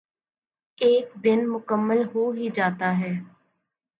ایک دن مکمل ہو ہی جاتا یے